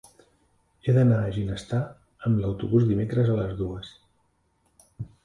He d'anar a Ginestar amb autobús dimecres a les dues.